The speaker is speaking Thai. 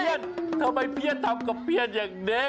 เพียรทำไมเพียรทำกับเพียรอย่างนี้